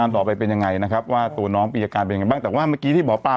ถึงว่าตัวน้องเป็นยังไงบ้าง